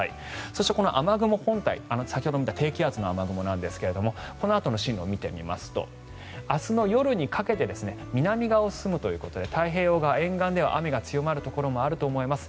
そして、この雨雲本体先ほど見た低気圧の雨雲なんですがこのあとの進路を見てみますと明日の夜にかけて南側を進むということで太平洋側沿岸では雨が強まるところもあると思います。